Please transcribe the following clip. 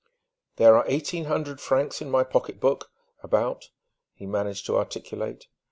"There are eighteen hundred francs in my pocketbook about," he managed to articulate.